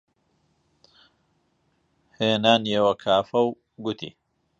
هێنانیوە کافە و گوتی: